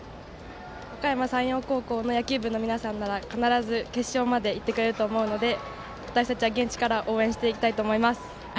おかやま山陽高校の野球部の皆さんも、必ず決勝までいってくれると思うので私たちは現地から応援していきたいと思います。